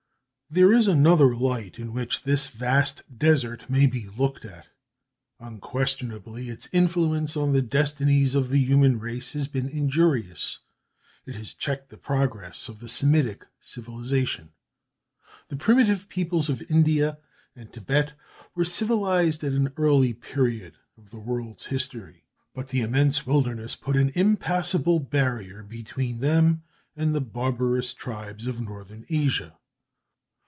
There is another light in which this vast desert may be looked at. Unquestionably, its influence on the destinies of the human race has been injurious; it has checked the progress of the Semitic civilization. The primitive peoples of India and Tibet were civilized at an early period of the world's history; but the immense wilderness put an impassable barrier between them and the barbarous tribes of Northern Asia.